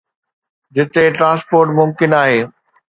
جتي ٽرانسپورٽ ممڪن آهي.